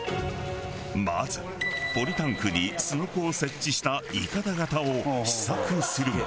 まずポリタンクにすのこを設置したいかだ型を試作するも。